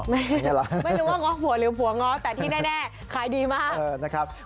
ไม่รู้ว่าง้อผัวหรือผัวง้อแต่ที่แน่ขายดีมากนะครับ